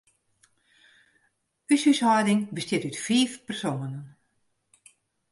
Us húshâlding bestiet út fiif persoanen.